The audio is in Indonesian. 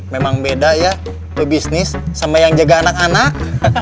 memang beda ya pebisnis sama yang jaga anak anak